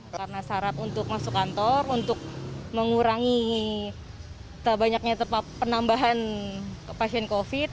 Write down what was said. karena syarat untuk masuk kantor untuk mengurangi banyaknya penambahan pasien covid